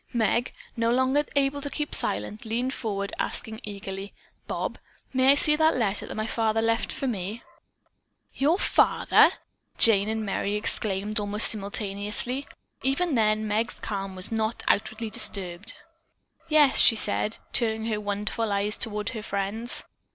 Meg, no longer able to keep silent, leaned forward, asking eagerly, "Bob, may I see the letter that my father left for me?" "Your father?" Jane and Merry exclaimed almost simultaneously. Even then Meg's calm was not outwardly disturbed. "Yes," she said, turning her wonderful eyes toward her friends.